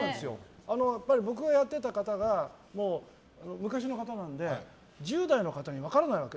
やっぱり僕がやってた方が昔の方なので、１０代の方に分からないわけ。